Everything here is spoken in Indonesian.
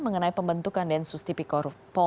mengenai pembentukan densus tipikor